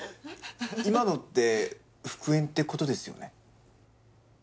今のって復縁ってことですよね？